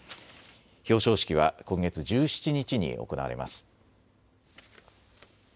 表彰式は今月１７日に行われます。